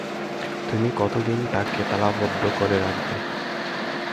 তুমি কতদিন তাকে তালাবন্ধ করে রাখবে?